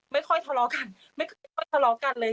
ไม่ค่อยทะเลาะกันไม่ค่อยทะเลาะกันเลย